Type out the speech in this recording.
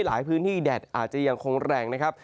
หลายพื้นที่แดดอาจจะยังคงแรงนะครับ